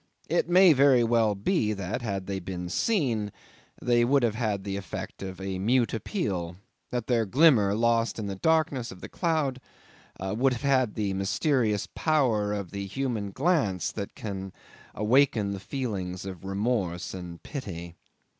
It may very well be that, had they been seen, they would have had the effect of a mute appeal that their glimmer lost in the darkness of the cloud would have had the mysterious power of the human glance that can awaken the feelings of remorse and pity.